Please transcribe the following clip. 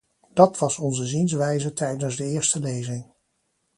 Dat was onze zienswijze tijdens de eerste lezing.